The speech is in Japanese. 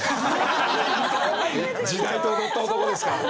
時代と踊った男ですから。